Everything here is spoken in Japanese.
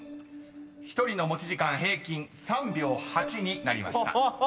［１人の持ち時間平均３秒８になりました］